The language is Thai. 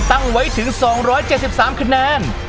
ตั้งไว้ถึง๒๗๓คะแนน